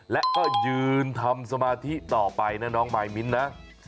และก็ยืนทำสมาธิต่อไปนะน้องมายมิ้นนะ